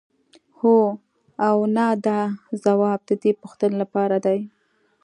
هو او نه دا ځواب د دې پوښتنې لپاره دی.